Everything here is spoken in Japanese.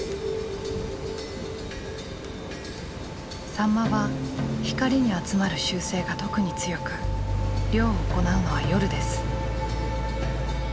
サンマは光に集まる習性が特に強く漁を行うのは夜です。